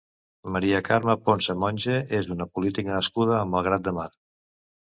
Maria Carmen Ponsa Monge és una política nascuda a Malgrat de Mar.